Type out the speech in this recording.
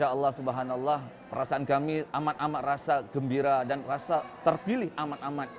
masya allah subhanallah perasaan kami amat amat rasa gembira dan rasa terpilih amat amat